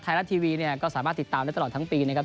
ไทยรัฐทีวีเนี่ยก็สามารถติดตามได้ตลอดทั้งปีนะครับ